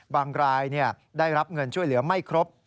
รายได้รับเงินช่วยเหลือไม่ครบ